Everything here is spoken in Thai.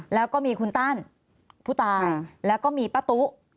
แล้วก็มีคุณตั้นผู้ตายแล้วก็มีป้าตุ๊